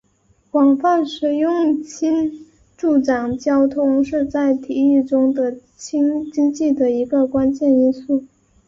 广泛使用氢助长交通是在提议中的氢经济的一个关键因素。